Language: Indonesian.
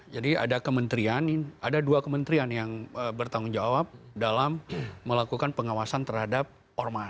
jadi ada kementerian ini ada dua kementerian yang bertanggung jawab dalam melakukan pengawasan terhadap pemerintah